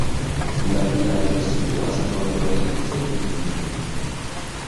La vilaĝo situas nordoriente de Dijon.